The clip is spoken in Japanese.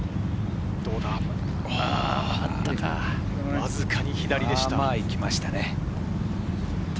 わずかに左でした。